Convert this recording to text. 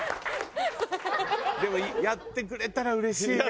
でもやってくれたらうれしいね。